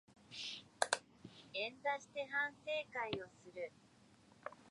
円座して反省会をする